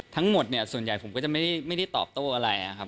ทั้งหมดเนี่ยส่วนใหญ่ผมก็จะไม่ได้ตอบโต้อะไรนะครับ